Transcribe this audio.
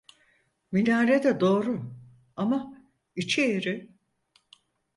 Minare de doğru, ama içi eğri.